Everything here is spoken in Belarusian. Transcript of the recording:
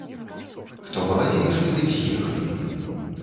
Хто маладзейшы, дык з'ехалі.